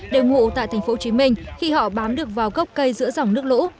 đều ngụ tại thành phố hồ chí minh khi họ bám được vào gốc cây giữa dòng nước lũ